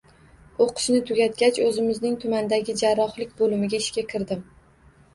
O`qishni tugatgach, o`zimizning tumandagi jarrohlik bo`limiga ishga kirdim